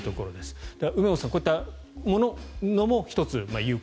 梅本さん、こういったものも１つ有効。